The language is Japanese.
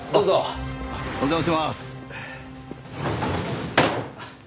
お邪魔します。